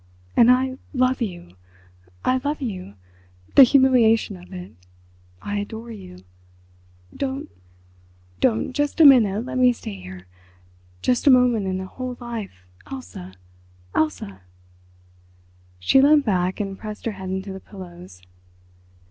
"And I love you—I love you; the humiliation of it—I adore you. Don't—don't—just a minute let me stay here—just a moment in a whole life—Elsa! Elsa!" She leant back and pressed her head into the pillows.